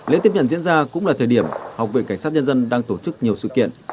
lễ tiếp nhận diễn ra cũng là thời điểm học viện cảnh sát nhân dân đang tổ chức nhiều sự kiện